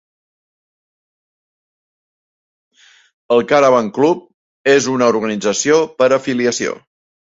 El Caravan Club és una organització per afiliació.